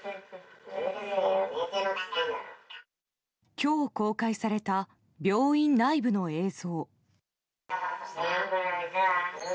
今日、公開された病院内部の映像。